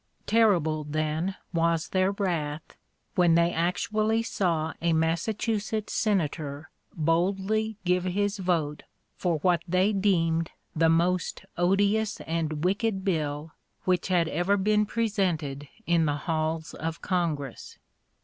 Terrible then was their wrath, when they actually saw a Massachusetts Senator boldly give his vote for what they deemed the most odious and wicked bill which had ever been presented in the halls of Congress.